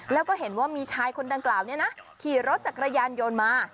แล้วก็เห็นว่ามีชายคนดังกล่าวนี้นะขี่รถจักรยานยนต์มา